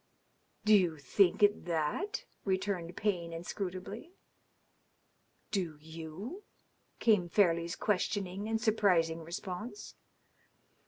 "Do you think it that?" returned Payne inscrutably. "Do yow?" came Fairleigh's questioning and surprising response.